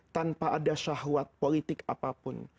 tanpa ada syahwat politik apapun